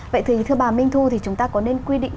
vậy thì thưa bà minh thu thì chúng ta có nên quy định